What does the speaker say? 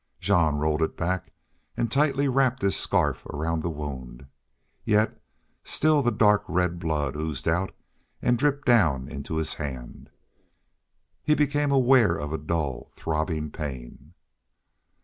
Jean rolled it back and tightly wrapped his scarf around the wound, yet still the dark red blood oozed out and dripped down into his hand. He became aware of a dull, throbbing pain.